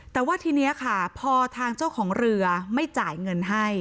แต่ว่าทีนี้ค่ะพอทางเจ้าของเรือไม่จ่ายเงินให้